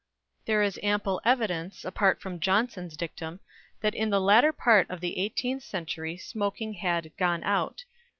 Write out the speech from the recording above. There is ample evidence, apart from Johnson's dictum, that in the latter part of the eighteenth century smoking had "gone out."